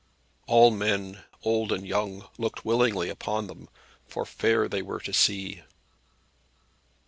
All men, old and young, looked willingly upon them, for fair they were to see.